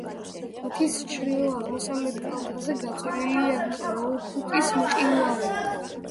მთის ჩრდილო-აღმოსავლეთ კალთაზე გაწოლილია კროუფუტის მყინვარი.